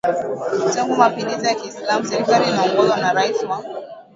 tangu mapinduzi ya Kiislamu Serikali inayoongozwa na rais wa